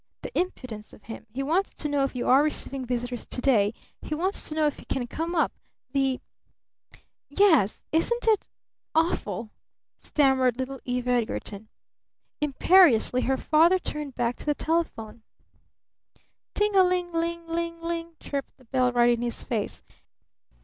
"The impudence of him! He wants to know if you are receiving visitors to day! He wants to know if he can come up! The " "Yes isn't it awful?" stammered little Eve Edgarton. Imperiously her father turned back to the telephone. Ting a ling ling ling ling, chirped the bell right in his face.